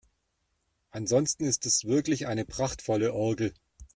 Ansonsten ist es wirklich eine prachtvolle Orgel.